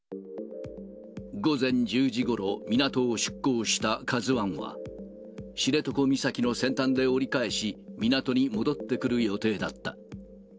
午前１０時ごろ、港を出港したカズワンは、知床岬の先端で折り返し、港に戻ってくる予定だった。